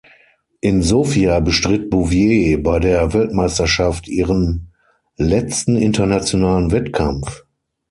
In Sofia bestritt Bouvier bei der Weltmeisterschaft ihren letzten internationalen Wettkampf.